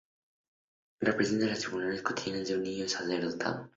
Representa las tribulaciones cotidianas de un niño superdotado.